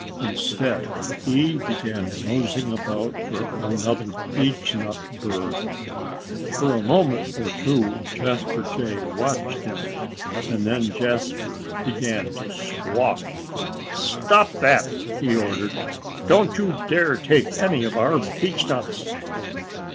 Instead, he began nosing about for another beechnut bur. For a moment or two Jasper Jay watched him. And then Jasper began to squawk. "Stop that!" he ordered. "Don't you dare to take any of our beechnuts!"